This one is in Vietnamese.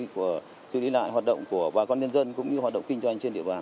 của sự đi lại hoạt động của bà con nhân dân cũng như hoạt động kinh doanh trên địa bàn